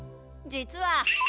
実は。